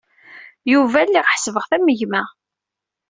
Yuba lliɣ ḥesbeɣ-t am gma.